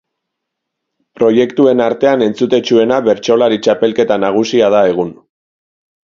Proiektuen artean entzutetsuena Bertsolari Txapelketa Nagusia da egun.